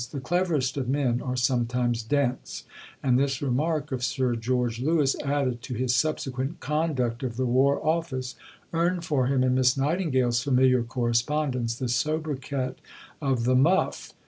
The cleverest of men are sometimes dense; and this remark of Sir George Lewis, added to his subsequent conduct of the War Office, earned for him, in Miss Nightingale's familiar correspondence, the sobriquet of "The Muff."